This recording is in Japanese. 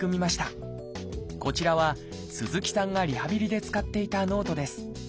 こちらは鈴木さんがリハビリで使っていたノートです。